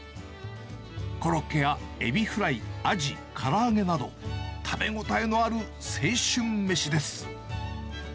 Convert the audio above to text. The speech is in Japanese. コロッケやエビフライ、アジ、から揚げなど、食べ応えのある青春飯です。